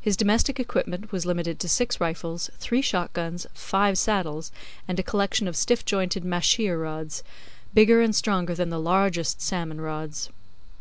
His domestic equipment was limited to six rifles, three shot guns, five saddles, and a collection of stiff jointed mahseer rods, bigger and stronger than the largest salmon rods.